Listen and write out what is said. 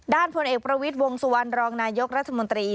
พลเอกประวิทย์วงสุวรรณรองนายกรัฐมนตรี